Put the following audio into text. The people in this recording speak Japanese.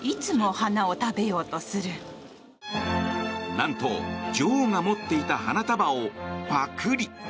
何と、女王が持っていた花束をパクリ。